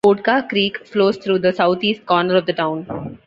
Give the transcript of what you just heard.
Oatka Creek flows through the southeast corner of the town.